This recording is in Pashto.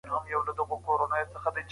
سياست پوهنه د ټولنې په نظم کي رول لري.